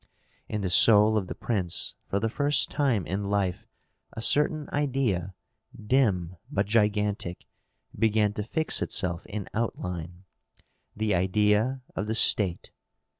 In the soul of the prince for the first time in life a certain idea, dim but gigantic, began to fix itself in outline, the idea of the state.